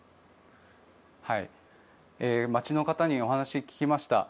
街の方にお話を聞きました。